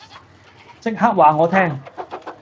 即刻話我聽